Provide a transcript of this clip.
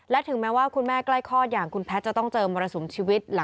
และถึงแม้ว่าคุณแม่ใกล้คลอดอย่างคุณแพทย์จะต้องเจอมรสุมชีวิต